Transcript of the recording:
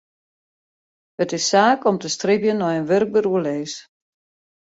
It is saak om te stribjen nei in wurkber oerlis.